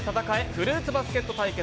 フルーツバスケット対決。